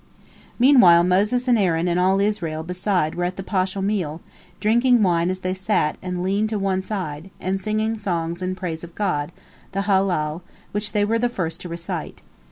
Meanwhile Moses and Aaron and all Israel beside were at the paschal meal, drinking wine as they sat and leaned to one side, and singing songs in praise of God, the Hallel, which they were the first to recite.